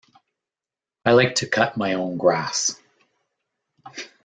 I like to cut my own grass.